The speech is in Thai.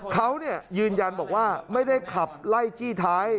เขายืนยันบอกว่าไม่ได้ขับไล่จี้ท้าย